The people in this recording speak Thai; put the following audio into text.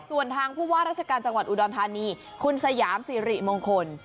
ส่วนทางผู้ว่าราชการจังหวัดอุดรธานีคุณสยามสิริมงคล